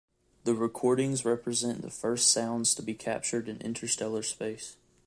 The recordings represent the first sounds to be captured in interstellar space.